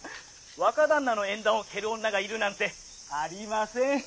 若旦那の縁談を蹴る女がいるなんてありません。